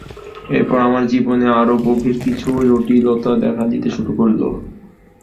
এরপর আমার জীবনে আরও গভীর কিছু জটিলতা দেখা দিতে শুরু করল।